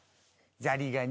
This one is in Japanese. ザリガニ。